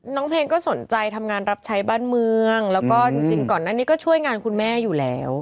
น้องเพลงก็สนใจทำงานรับใช้บ้านเมืองแล้วก็จริงก่อนหน้านี้ก็ช่วยงานคุณแม่อยู่แล้ว